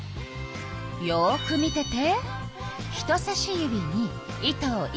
よく見てて。